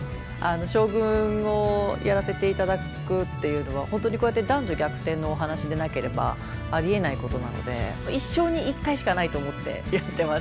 将軍をやらせて頂くっていうのは本当にこうやって男女逆転のお話でなければありえないことなので一生に一回しかないと思ってやってます。